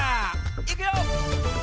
いくよ！